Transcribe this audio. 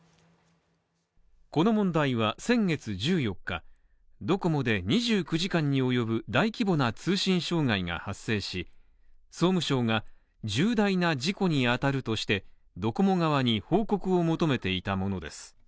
この問題は先月１４日、ドコモで２９時間に及ぶ大規模な通信障害が発生し、総務省が重大な事故に当たるとしてドコモ側に報告を求めていたものです。